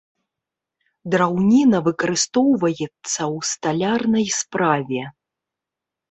Драўніна выкарыстоўваецца ў сталярнай справе.